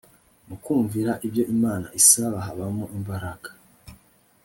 Mu kumvira ibyo Imana isaba habamo imbaraga